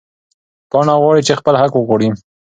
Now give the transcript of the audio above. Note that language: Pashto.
پاڼه غواړې چې خپل حق وغواړي.